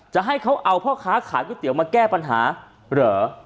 จะให้เขาเอาพ่อค้าขายก๋วยเตี๋ยวมาแก้ปัญหาเหรอ